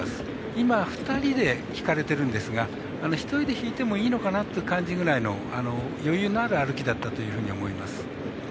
今、２人で引かれてるんですが１人で引かれてもいいのかなというぐらいの感じの余裕のある歩きだったと思います。